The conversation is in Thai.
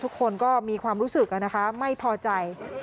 ทุกคนก็มีความรู้สึกนะคะไม่พอใจ